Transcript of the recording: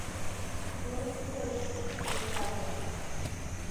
Tiene su sede en Salem.